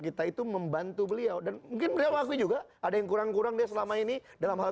kita itu membantu beliau dan mungkin berwaktu juga ada yang kurang kurangnya selama ini dalam hal